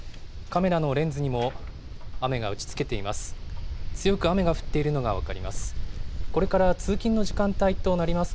カメラのレンズにも雨が打ち付けています。